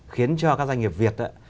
khiến cho các doanh nghiệp việt